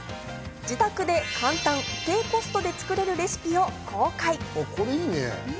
自宅で簡単、低コストで作れるレシピを公開。